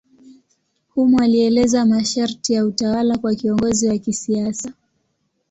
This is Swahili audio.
Humo alieleza masharti ya utawala kwa kiongozi wa kisiasa.